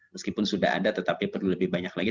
meskipun sudah ada tetapi perlu lebih banyak lagi